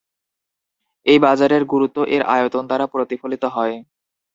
এই বাজারের গুরুত্ব এর আয়তন দ্বারা প্রতিফলিত হয়।